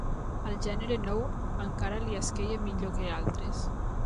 El gènere nou encara li esqueia millor que altres.